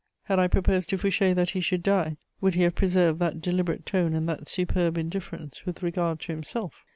Had I proposed to Fouché that he should die, would he have preserved that deliberate tone and that superb indifference with regard to himself?